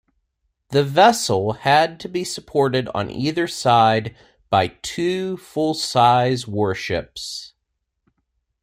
The vessel had to be supported on either side by two full-size warships.